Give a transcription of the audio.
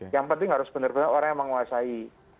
yang penting harus benar benar orang yang menguasai